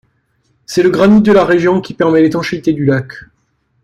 C'est le granit de la région qui permet l'étanchéité du lac.